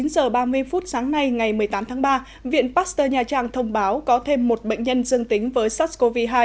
chín giờ ba mươi phút sáng nay ngày một mươi tám tháng ba viện pasteur nha trang thông báo có thêm một bệnh nhân dương tính với sars cov hai